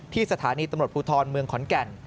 สถานีตำรวจภูทรเมืองขอนแก่น